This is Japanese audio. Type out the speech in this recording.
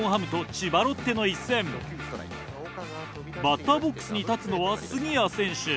バッターボックスに立つのは杉谷選手。